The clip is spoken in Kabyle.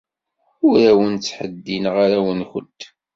Ur awent-ttheddineɣ arraw-nwent.